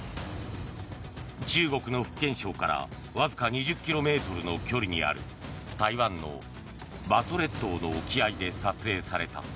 中国の福建省からわずか２０ｋｍの距離にある台湾の馬祖列島の沖合で撮影された。